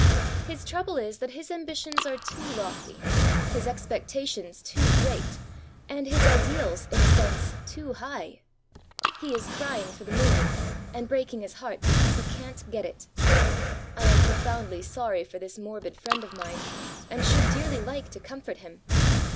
His trouble is that his ambitions are too lofty, his expectations too great, and his ideals, in a sense, too high. He is crying for the moon, and breaking his heart because he can't get it. I am profoundly sorry for this morbid friend of mine, and should dearly like to comfort him.